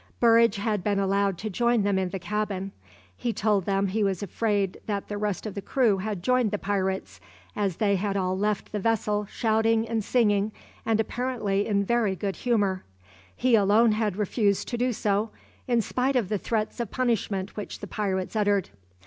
Burridge had been allowed to join them in the cabin. He told them he was afraid that the rest of the crew had joined the pirates, as they had all left the vessel shouting and singing, and apparently in very good humour. He alone had refused to do so, in spite of the threats of punishment which the pirates uttered.